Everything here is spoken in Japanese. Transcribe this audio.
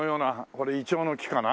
これイチョウの木かな？